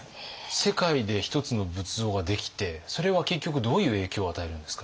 世界でひとつの仏像ができてそれは結局どういう影響を与えるんですか？